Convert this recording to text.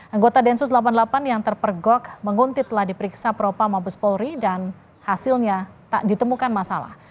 anggota densus delapan puluh delapan yang terpergok menguntit telah diperiksa propa mabes polri dan hasilnya tak ditemukan masalah